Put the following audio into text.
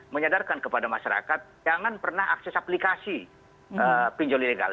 menyadarkan kepada masyarakat jangan pernah akses aplikasi pinjol ilegal